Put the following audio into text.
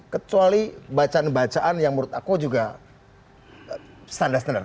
kecuali bacaan bacaan yang menurut aku juga standar standar